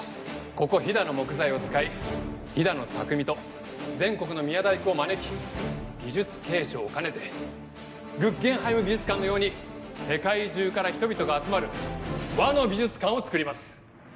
ここ飛騨の木材を使い飛騨の匠と全国の宮大工を招き技術継承を兼ねてグッゲンハイム美術館のように世界中から人々が集まる和の美術館を造ります。